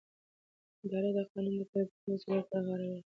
اداره د قانون د پلي کولو مسؤلیت پر غاړه لري.